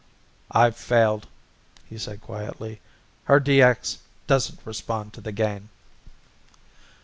"I've failed," he said quietly. "Her DX doesn't respond to the gain."